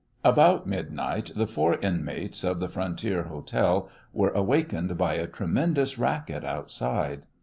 About midnight the four inmates of the frontier hotel were awakened by a tremendous racket outside.